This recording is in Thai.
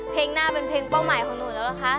เพลงหน้าเป็นเพลงเป้าหมายของหนูแล้วนะคะ